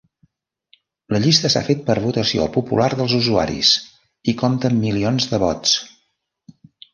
La llista s'ha fet per votació popular dels usuaris i compta amb milions de vots.